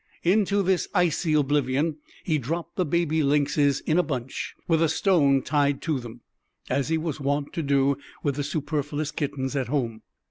Into this icy oblivion he dropped the baby lynxes in a bunch, with a stone tied to them, as he was wont to do with the superfluous kittens at home.